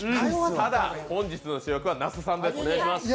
ただ、本日の主役は那須さんです。